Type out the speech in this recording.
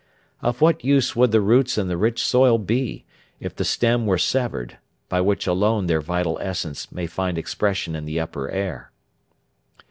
Of what use would the roots and the rich soil be, if the stem were severed, by which alone their vital essence may find expression in the upper air?